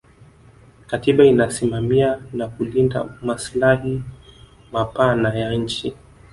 katiba inasimamia na kulinda maslahi mapana ya nchi